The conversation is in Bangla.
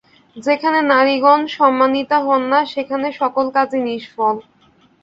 যেখানে নারীগণ সম্মানিতা হন না, সেখানে সকল কাজই নিষ্ফল।